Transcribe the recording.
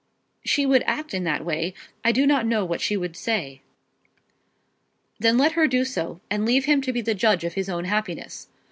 "She would act in that way. I do not know what she would say." "Then let her do so, and leave him to be the judge of his own happiness.